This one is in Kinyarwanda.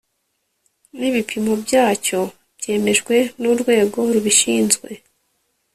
n ibipimo byacyo byemejwe n urwego rubishinzwe